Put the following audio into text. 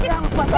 lo udah lupa saja